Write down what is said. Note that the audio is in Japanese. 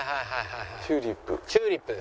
チューリップ。